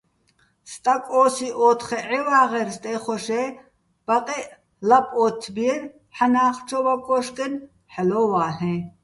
სტაკ ო́სი ო́თხე ჺევაღერ სტე́ხოშ-ე́ ბაყეჸ, ლაპ ოთთბიენი̆ ჵანა́ხჩოვ აკოშკენ, ჰ̦ალო́ ვალეჼ.